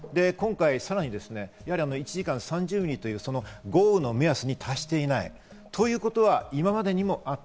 今回さらに１時間３０ミリという豪雨の目安に達していないということは今までにもあった。